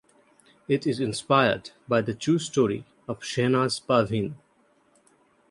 It is inspired by the true story of Shehnaz Parveen.